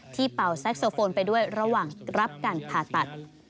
เป่าแซ็กโซโฟนไปด้วยระหว่างรับการผ่าตัด